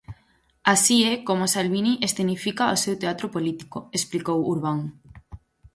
Así é como Salvini escenifica o seu teatro político, explicou Urbán.